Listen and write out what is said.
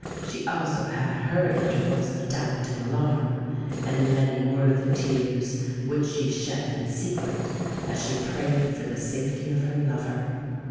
she also had her intervals of doubt and alarm; and many were the tears which she shed in secret as she prayed for the safety of her lover.